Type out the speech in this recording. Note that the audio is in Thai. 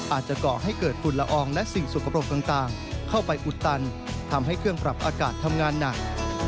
ก่อให้เกิดฝุ่นละอองและสิ่งสุขปรกต่างเข้าไปอุดตันทำให้เครื่องปรับอากาศทำงานหนัก